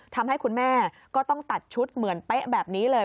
ทำให้คุณแม่ก็ต้องตัดชุดเหมือนเป๊ะแบบนี้เลย